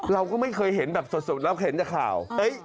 เราก็ไม่เคยเห็นแบบสดแล้วเขินเท่าข่าว